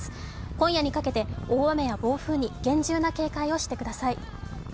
今夜にかけて大雨や暴風に厳重な警戒をしてください。